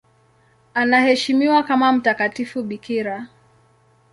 Anaheshimiwa kama mtakatifu bikira.